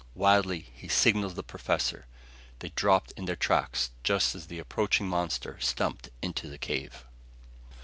Wildly he signaled the professor. They dropped in their tracks, just as the approaching monster stumped into the cave.